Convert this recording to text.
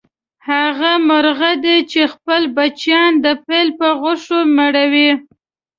هغه مرغه دی چې خپل بچیان د پیل په غوښو مړوي.